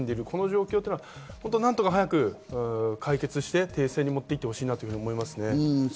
この状況を何とか早く解決して停戦に持っていってほしいなと思いますね。